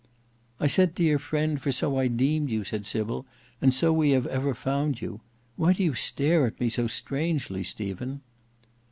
"I said dear friend for so I deemed you." said Sybil; "and so we have ever found you. Why do you stare at me so strangely, Stephen?"